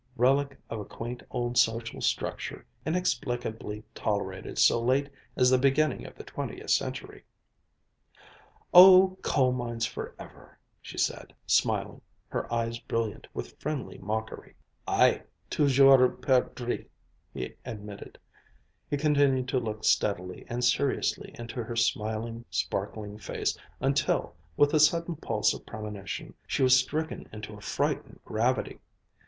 "Relic of a quaint old social structure inexplicably tolerated so late as the beginning of the twentieth century," "Oh, coal mines forever!" she said, smiling, her eyes brilliant with friendly mockery. "Aye! Toujours perdrix!" he admitted. He continued to look steadily and seriously into her smiling, sparkling face, until, with a sudden pulse of premonition, she was stricken into a frightened gravity.